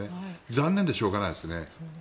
残念でしょうがないですね。